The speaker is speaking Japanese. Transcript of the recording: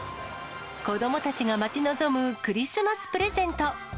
子どもたちが待ち望むクリスマスプレゼント。